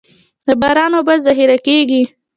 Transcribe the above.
د باران اوبه ذخیره کیږي